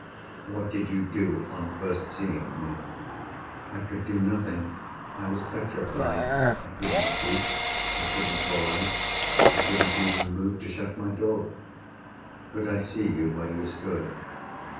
"What did you do, on first seeing me?" "I could do nothing. I was petrified. I couldn't speak, I couldn't call out, I couldn't even move to shut my door." "Could I see you, where you stood?"